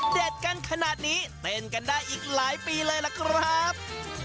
กันขนาดนี้เต้นกันได้อีกหลายปีเลยล่ะครับ